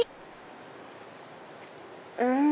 うん！